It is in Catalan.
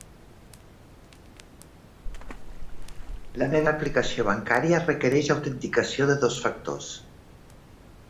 La meva aplicació bancària requereix autenticació de dos factors.